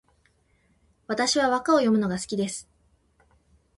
私は和歌を詠むのが好きです